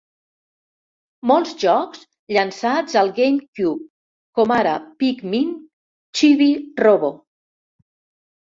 Molts jocs llançats al GameCube, com ara "Pikmin", "Chibi-Robo!